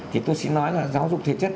thì tôi xin nói là giáo dục thể chất